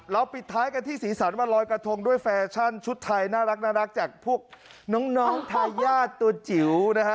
ปิดท้ายกันที่สีสันวันลอยกระทงด้วยแฟชั่นชุดไทยน่ารักจากพวกน้องทายาทตัวจิ๋วนะฮะ